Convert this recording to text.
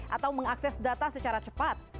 atau mengakses data secara cepat